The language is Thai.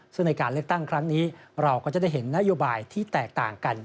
ซึ่งในการเลือกตั้งครั้งนี้เราก็จะได้เห็นนโยบายที่แตกต่างกัน